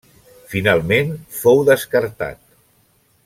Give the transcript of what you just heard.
Finalment, fou descartat.